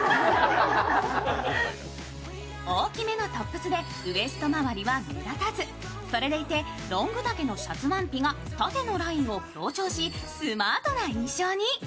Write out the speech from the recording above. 大きめのトップスでウエスト周りは目立たず、それでいてロング丈のシャツワンピが縦のラインを強調しスマートな印象に。